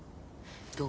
どう？